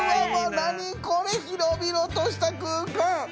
何これ広々とした空間！